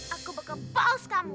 aku bakal pause kamu